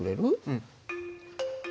うん。